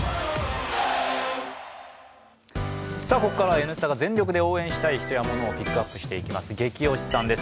ここからは「Ｎスタ」が全力で応援したい人やモノをピックアップする「ゲキ推しさん」です。